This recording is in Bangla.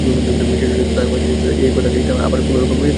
সে জানিত তাহার মাসি তাহাকে এই বিবাহের কথাই আবার আর-কোনোরকম করিয়া বলিবেন।